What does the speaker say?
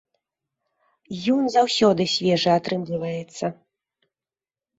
Ён заўсёды свежы атрымліваецца!